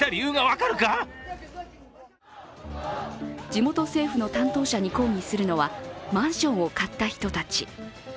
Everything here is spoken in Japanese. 地元政府の担当者に抗議するのはマンションを買った人たち。